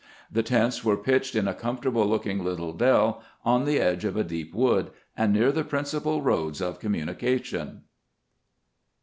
The tents were pitched in a comfortable looking little dell, on the edge of a deep wood, and near the principal roads of communication.